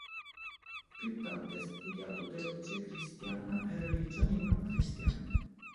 Più tardi ha studiato teologia cristiana e religioni non cristiane.